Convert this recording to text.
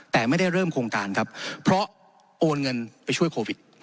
แต่ไม่ได้เริ่มโครงการครับเพราะโอนเงินไปช่วยโควิด